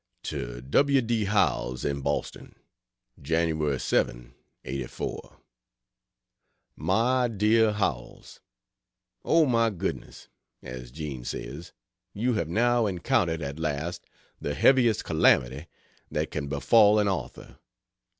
To W. D. Howells, in Boston: Jan. 7, '84. MY DEAR HOWELLS, "O my goodn's", as Jean says. You have now encountered at last the heaviest calamity that can befall an author.